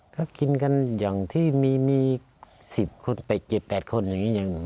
ก็กินกันอย่างที่มี๑๐คนไปเจ็บ๘คนอย่างนี้